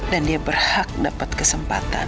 dan dia berhak dapat kesempatan